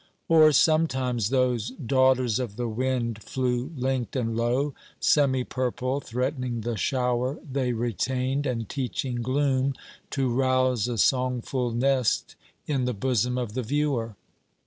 Or sometimes those daughters of the wind flew linked and low, semi purple, threatening the shower they retained and teaching gloom to rouse a songful nest in the bosom of the viewer.